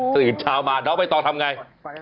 สุดยอดเช้ามาเราไปต่อทำไง